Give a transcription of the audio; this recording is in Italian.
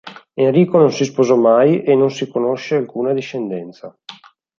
Enrico non si sposò mai e non si conosce alcuna discendenza.